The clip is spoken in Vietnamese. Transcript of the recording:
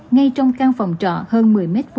ngay trong căn phòng trọ hơn một mươi m hai